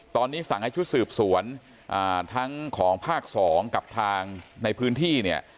ตอนนี้สั่งให้ชุดสืบสวนทั้งของภาค๒กับทางในพื้นที่เนี่ย